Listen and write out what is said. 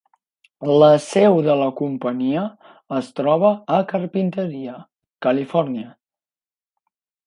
La seu de la companyia es troba a Carpinteria, Califòrnia.